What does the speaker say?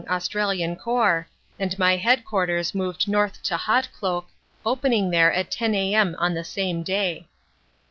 Australian Corps, and my headquarters moved north to Hautecloque, opening there at 10 a.m. on the same day.